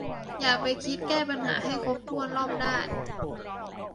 อย่าไปคิดแก้ปัญหาให้ครบถ้วนรอบด้าน